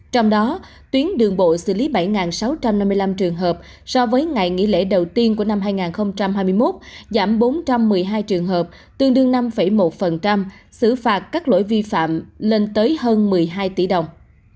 trong đó tuyến đường bộ xử lý bảy sáu trăm năm mươi năm trường hợp so với ngày nghỉ lễ đầu tiên của năm hai nghìn hai mươi một giảm bốn trăm một mươi hai trường hợp tương đương năm một xử phạt các lỗi vi phạm lên tới hơn một mươi hai tỷ đồng